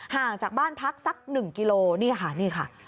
ห่างจากบ้านพักสัก๑กิโลนี่ค่ะนี่ค่ะ